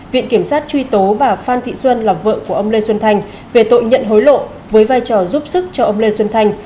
viện kiểm sát truy tố bà phan thị xuân là vợ của ông lê xuân thành về tội nhận hối lộ với vai trò giúp sức cho ông lê xuân thành